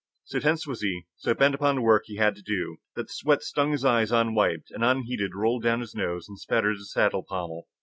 So tense was he, so bent upon the work he had to do, that the sweat stung his eyes unwiped, and unheeded rolled down his nose and spattered his saddle pommel.